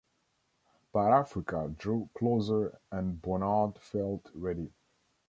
But Africa drew closer and Bonard felt ready.